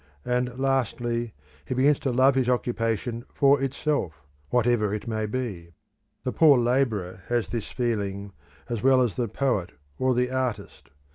And lastly, he begins to love his occupation for itself, whatever it may be: the poor labourer has this feeling as well as the poet or the artist.